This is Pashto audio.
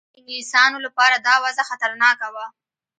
د انګلیسیانو لپاره دا وضع خطرناکه وه.